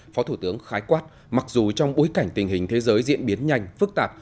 phó thủ tướng khái quát mặc dù trong bối cảnh tình hình thế giới diễn biến nhanh phức tạp